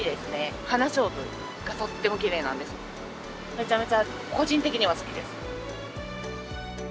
めちゃめちゃ個人的には好きです。